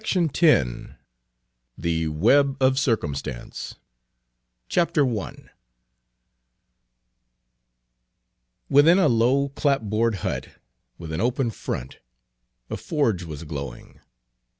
Page 291 THE WEB OF CIRCUMSTANCE I WITHIN a low clapboarded hut, with an open front, a forge was glowing.